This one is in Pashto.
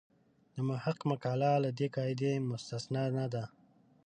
د محق مقاله له دې قاعدې مستثنا نه ده.